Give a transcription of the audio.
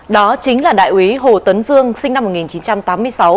đó chính là đại úy hồ tấn dương sinh năm một nghìn chín trăm tám mươi sáu